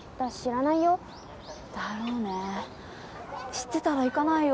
知ってたら行かないよ。